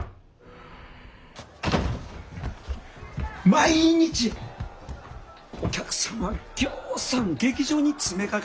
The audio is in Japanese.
毎日お客様ぎょうさん劇場に詰めかけてくれてはります。